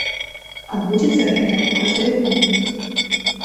Адбудзецца гэта ў красавіку.